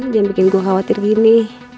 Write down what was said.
jangan bikin gua khawatir gini